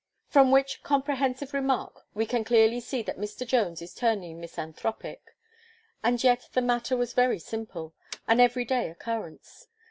From which comprehensive remark we can clearly see that Mr. Jones is turning misanthropic. And yet the matter was very simple an everyday occurrence.